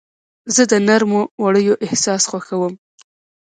زه د نرمو وړیو احساس خوښوم.